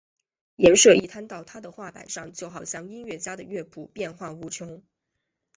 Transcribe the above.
颜色一摊到他的画板上就好像音乐家的乐谱变化无穷！